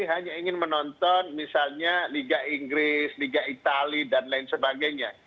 hanya ingin menonton misalnya liga inggris liga itali dan lain sebagainya